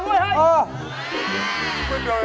ก็เดินก่อนนะครับพี่